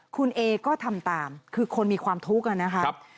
คุณเอก็ทำตามคือคนมีความทุกข์นะครับ